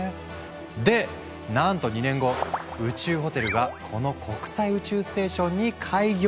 でなんと２年後宇宙ホテルがこの国際宇宙ステーションに開業予定！